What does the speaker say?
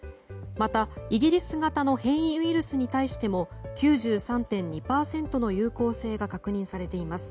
またイギリス型の変異ウイルスに対しても９３．２％の有効性が確認されています。